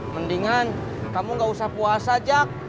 mendingan kamu nggak usah puasa jak